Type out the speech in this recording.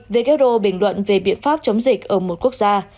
who bình luận về biện pháp chống dịch ở một quốc gia